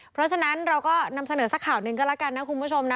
เพราะฉะนั้นเราก็นำเสนอสักข่าวหนึ่งก็แล้วกันนะคุณผู้ชมนะ